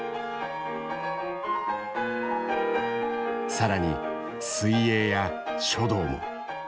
更に水泳や書道も。